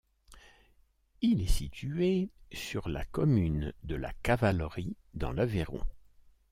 Il est situé sur la commune de La Cavalerie dans l'Aveyron.